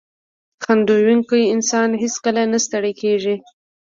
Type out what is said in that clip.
• خندېدونکی انسان هیڅکله نه ستړی کېږي.